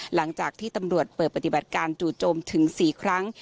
หลังจากที่ตำรวจเปิดปฏิบัติการจู่โจมถึง๔ครั้ง